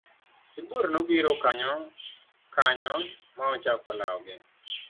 Sibuor nobiro kanyo kanyo ma ochako lawogi.